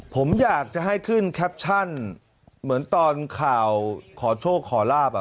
ผมอยากจะให้ขึ้นแคปชั่นเหมือนตอนข่าวขอโชคขอลาบอ่ะ